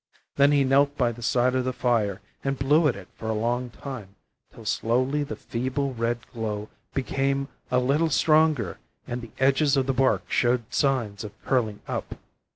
Then he knelt by the side of the fire and blew at it for a long while, till slowly the feeble red glow became a little stronger and the edges of the bark showed signs of curling up.